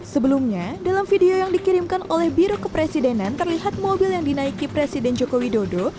sebelumnya dalam video yang dikirimkan oleh biro kepresidenan terlihat mobil yang dinaiki presiden joko widodo